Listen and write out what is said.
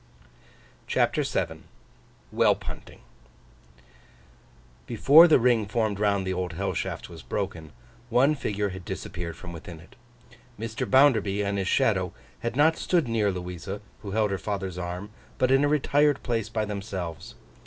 CHAPTER VII WHELP HUNTING BEFORE the ring formed round the Old Hell Shaft was broken, one figure had disappeared from within it. Mr. Bounderby and his shadow had not stood near Louisa, who held her father's arm, but in a retired place by themselves.